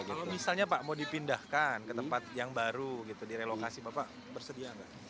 kalau misalnya pak mau dipindahkan ke tempat yang baru gitu direlokasi pak bersedia nggak